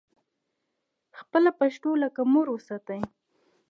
خپله پښتو لکه مور وساتئ